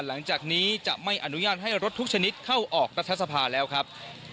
หลังจากนี้จะไม่อนุญาตให้รถทุกชนิดเข้าออกรัฐสภาแล้วครับ